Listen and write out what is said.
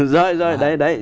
rồi rồi đấy đấy